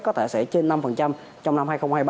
có thể sẽ trên năm trong năm hai nghìn hai mươi ba